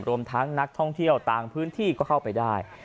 รวมทั้งนักท่องเที่ยวต่างพื้นที่ก็เข้าไปได้